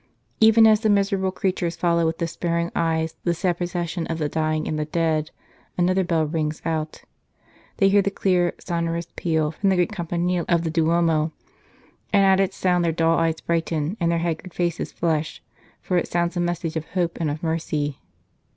Even as the miserable creatures follow with despairing eyes the sad procession of the dying and the dead, another bell rings out. They hear the clear, sonorous peal from the great campanile of the Duomo, and at its sound their dull eyes brighten and their haggard faces flush, for it sounds a message of hope and of mercy.